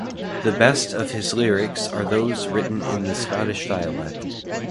The best of his lyrics are those written in the Scottish dialect.